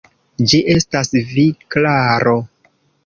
Ĝi estas vi, Klaro!